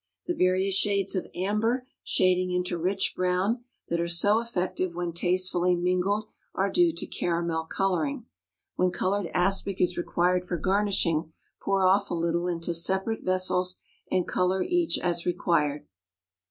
The various shades of amber, shading into rich brown, that are so effective when tastefully mingled, are due to caramel coloring. When colored aspic is required for garnishing, pour off a little into separate vessels, and color each as required.